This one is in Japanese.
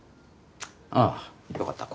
あっよかったら